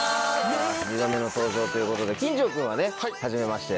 ２度目の登場ということで金城君はねはじめまして。